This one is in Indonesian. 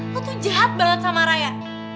aku tuh jahat banget sama raya